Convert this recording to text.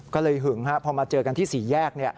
ก็เลยหึงพอมาเจอกันที่สี่แยก